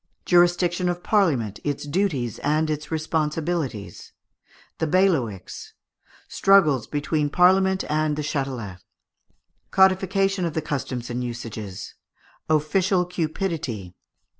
Jurisdiction of Parliament, its Duties and its Responsibilities. The Bailiwicks. Struggles between Parliament and the Châtelet. Codification of the Customs and Usages. Official Cupidity.